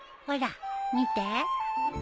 ほら見て。